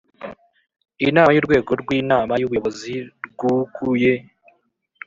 inama y Urwego rw Inama y Ubuyobozi rwguye